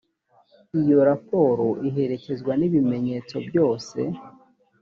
iyo raporo iherekezwa n ibimenyetso byose